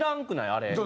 あれ。